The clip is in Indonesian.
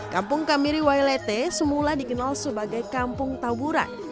kampung kamiri wailete semula dikenal sebagai kampung taburan